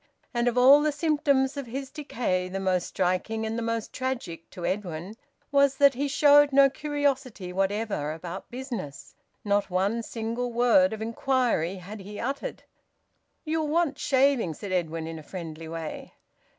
And of all the symptoms of his decay the most striking and the most tragic, to Edwin, was that he showed no curiosity whatever about business. Not one single word of inquiry had he uttered. "You'll want shaving," said Edwin, in a friendly way.